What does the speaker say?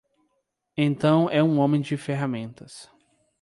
Então é um homem de ferramentas.